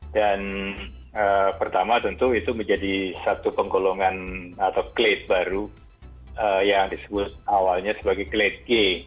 dan pertama tentu itu menjadi satu penggolongan atau klet baru yang disebut awalnya sebagai klet g